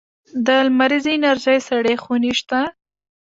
د لمریزې انرژۍ سړې خونې شته؟